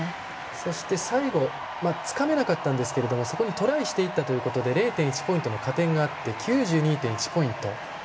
そして、最後つかめなかったんですがそこにトライしていったということで０．１ポイントの加点があって９２．１ポイント。